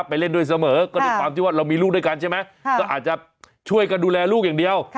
ไปเล่นด้วยเสมอก็ด้วยความที่ว่าเรามีลูกด้วยกันใช่ไหมก็อาจจะช่วยกันดูแลลูกอย่างเดียว